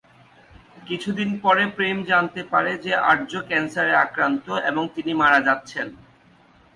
কিছু দিন পরে, প্রেম জানতে পারে যে আর্য ক্যান্সারে আক্রান্ত এবং তিনি মারা যাচ্ছেন।